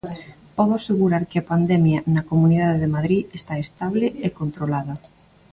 Podo asegurar que a pandemia na comunidade de Madrid está estable e está controlada.